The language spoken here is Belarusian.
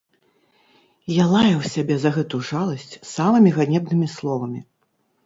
Я лаяў сябе за гэту жаласць самымі ганебнымі словамі.